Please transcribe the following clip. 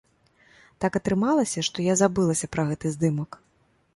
Так атрымалася, што я забылася пра гэты здымак.